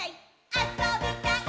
あそびたい！